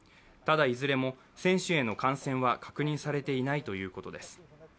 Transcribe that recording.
ただ、いずれも選手への感染は確認されていないということです。